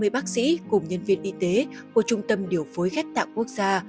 một trăm hai mươi bác sĩ cùng nhân viên y tế của trung tâm điều phối khách tạng quốc gia